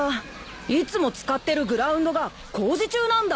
いつも使ってるグラウンドが工事中なんだ！